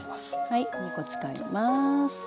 はい２コ使います。